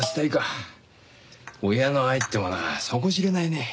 親の愛ってものは底知れないね。